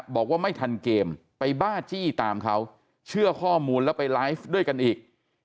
บอกว่าไม่ทันเกมไปบ้าจี้ตามเขาเชื่อข้อมูลแล้วไปไลฟ์ด้วยกันอีก